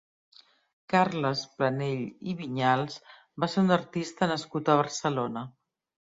Carles Planell i Viñals va ser un artista nascut a Barcelona.